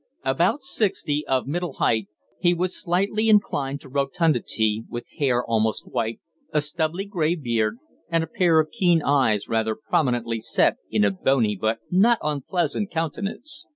About sixty, of middle height, he was slightly inclined to rotundity, with hair almost white, a stubbly grey beard, and a pair of keen eyes rather prominently set in a bony but not unpleasant countenance.